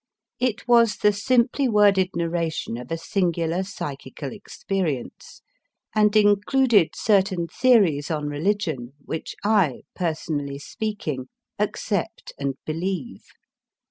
It was the simply worded narration of a singular psychical experience, and included certain theories on religion which I, personally speaking, accept and believe.